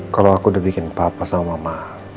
kalau aku udah bikin papa sama mama